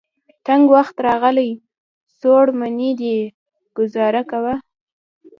تنګ وخت راغلی. څوړ منی دی ګذاره کوه.